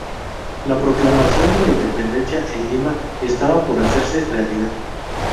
La proclamación de la independencia en Lima estaba por hacerse realidad.